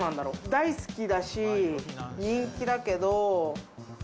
大好きだし人気だけど。